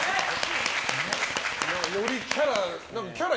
よりキャラ。